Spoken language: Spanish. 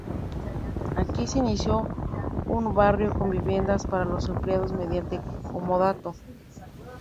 Aquí se instaló un barrio con viviendas para los empleados mediante comodato.